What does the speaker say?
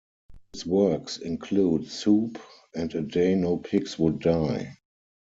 His works include "Soup" and "A Day No Pigs Would Die".